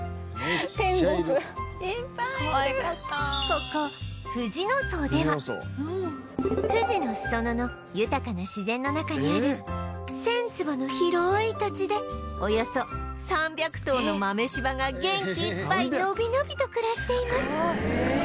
ここ富士野荘では富士の裾野の豊かな自然の中にある１０００坪の広い土地でおよそ３００頭の豆柴が元気いっぱい伸び伸びと暮らしています